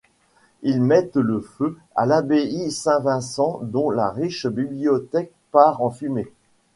Ils mettent le feu à l'abbaye Saint-Vincent dont la riche bibliothèque part en fumée.